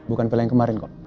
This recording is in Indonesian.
bukan film yang kemarin kok